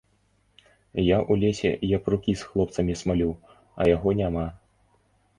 Я ў лесе япрукі з хлопцамі смалю, а яго няма.